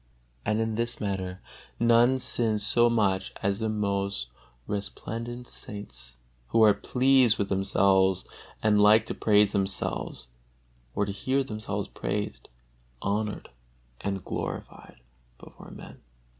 And in this matter none sin so much as the most resplendent saints, who are pleased with themselves and like to praise themselves or to hear themselves praised, honored and glorified before men.